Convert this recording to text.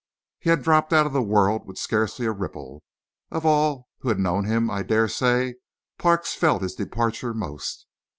He had dropped out of the world with scarcely a ripple; of all who had known him, I dare say Parks felt his departure most.